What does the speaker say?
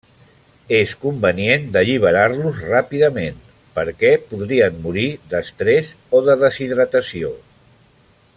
És convenient d'alliberar-los ràpidament, perquè podrien morir d'estrès o de deshidratació.